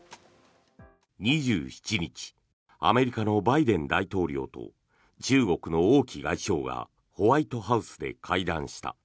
２７日アメリカのバイデン大統領と中国の王毅外相がホワイトハウスで会談した。